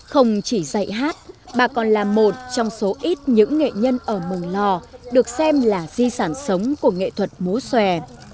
không chỉ dạy hát bà còn là một trong số ít những nghệ nhân ở mường lò được xem là di sản sống của nghệ thuật múa xòe